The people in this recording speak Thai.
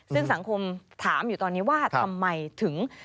ซึ่งสังคมถามอยู่ตอนนี้ว่าทำไมถึง